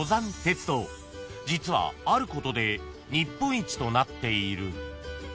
［実はあることで日本一となっている］